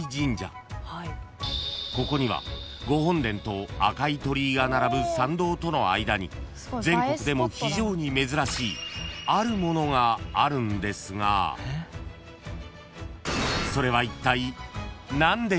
［ここにはご本殿と赤い鳥居が並ぶ参道との間に全国でも非常に珍しいあるものがあるんですがそれはいったい何でしょう］